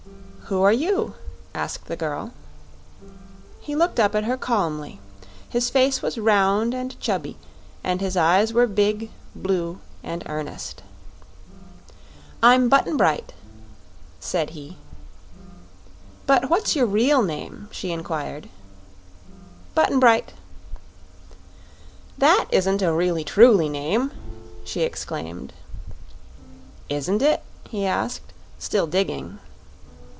"Who are you?" asked the girl. He looked up at her calmly. His face was round and chubby and his eyes were big, blue and earnest. "I'm Button Bright," said he. "But what's your real name?" she inquired. "Button Bright." "That isn't a really truly name!" she exclaimed. "Isn't it?" he asked, still digging.